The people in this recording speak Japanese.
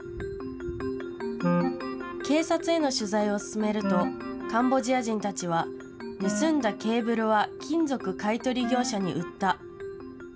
警察への取材を進めるとカンボジア人たちは盗んだケーブルは金属買い取り業者に売った。